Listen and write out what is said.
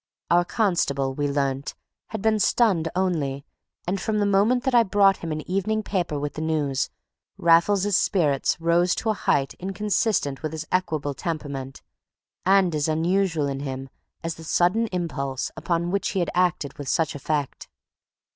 Our constable, we learnt, had been stunned only, and, from the moment that I brought him an evening paper with the news, Raffles's spirits rose to a height inconsistent with his equable temperament, and as unusual in him as the sudden impulse upon which he had acted with such effect.